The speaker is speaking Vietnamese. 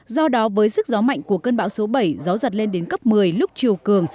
do đó với sức gió mạnh của cơn bão số bảy gió giật lên đến cấp một mươi lúc chiều cường